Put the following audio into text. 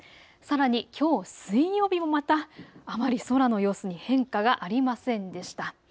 さらに、きょう水曜日もまたあまり空の様子に変化がありませんでした。